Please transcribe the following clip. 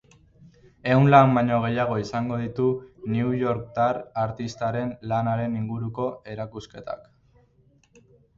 Ehun lan baino gehiago izango ditu newyorktar artistaren lanaren inguruko erakusketak.